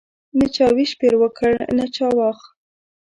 نه چا ویش پر وکړ نه چا واخ.